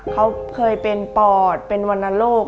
เขาเคยเป็นปอดเป็นวรรณโรค